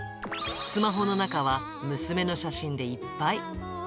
スマホの中は娘の写真でいっぱい。